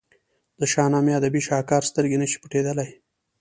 د شاهنامې ادبي شهکار سترګې نه شي پټېدلای.